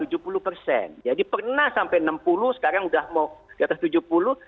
pernah sampai enam puluh sekarang sudah mau di atas tujuh puluh